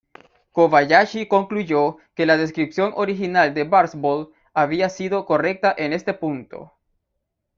Kobayashi concluyó que la descripción original de Barsbold había sido correcta en este punto.